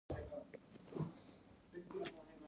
د بونېر پۀ يو سکول کښې وکړې